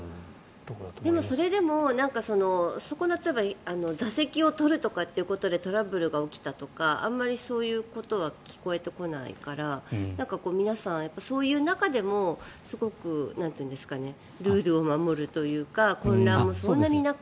でもそれでもそこの座席を取るとかということでトラブルが起きたとかあまり、そういうことは聞こえてこないから皆さん、そういう中でもすごくルールを守るというか混乱もそんなになく。